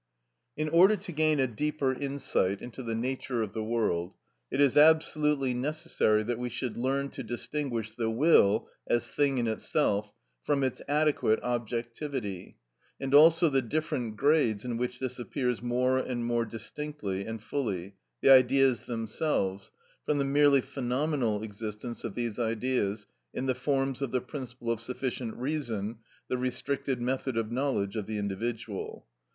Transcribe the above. In order to gain a deeper insight into the nature of the world, it is absolutely necessary that we should learn to distinguish the will as thing in itself from its adequate objectivity, and also the different grades in which this appears more and more distinctly and fully, i.e., the Ideas themselves, from the merely phenomenal existence of these Ideas in the forms of the principle of sufficient reason, the restricted method of knowledge of the individual.